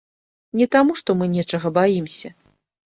Не таму, што мы нечага баімся!